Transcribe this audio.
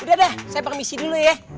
udah deh saya permisi dulu ya